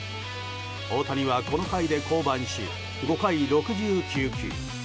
大谷はこの回で降板し５回６９球。